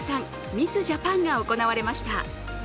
ミス・ジャパンが行われました。